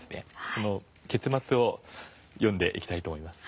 その結末を読んでいきたいと思います。